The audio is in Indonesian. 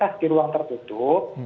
jangan sampai ruang tertutup